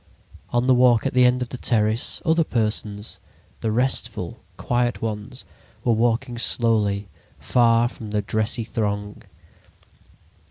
On the walk at the end of the terrace, other persons, the restful, quiet ones, were walking slowly, far from the dressy throng.